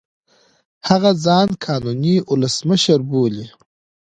هغه ځان قانوني اولسمشر بولي.